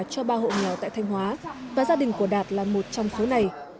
cho ba hộ nghèo tại thanh hóa và gia đình của đạt là một trong số này